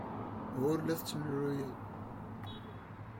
Ur la tettemlelluyeḍ.